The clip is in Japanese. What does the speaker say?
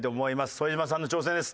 副島さんの挑戦です。